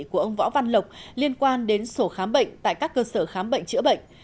của ông võ văn lộc liên quan đến sổ khám bệnh tại các cơ sở khám bệnh chữa bệnh